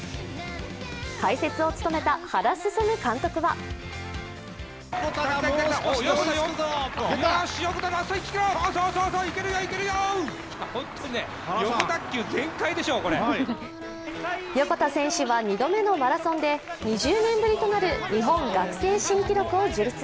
解説を務めた原普監督は横田選手は２度目のマラソンで２０年ぶりとなる日本学生新記録を樹立。